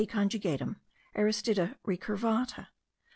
conjugatum, Aristida recurvata.